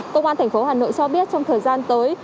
công an thành phố hà nội cho biết trong thời gian tới